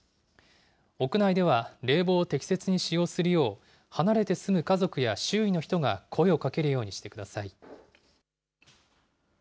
屋内では冷房を適切に使用するよう、離れて住む家族や周囲の人が声をかけるようにしてください。